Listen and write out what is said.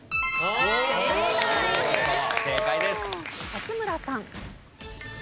勝村さん。